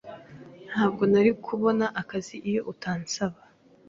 Ntabwo nari kubona akazi iyo utansaba.